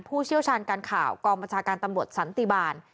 เชี่ยวชาญการข่าวกองบัญชาการตำรวจสันติบาล